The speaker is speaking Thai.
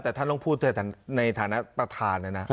แต่ท่านต้องพูดเถอะในฐานะประธานนะนะ